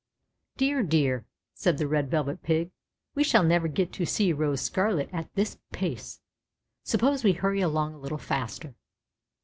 "Dear, dear!" said the Red Velvet Pig, "we shall never get to see Rose Scarlet at this pace. Suppose we hurry along a little faster."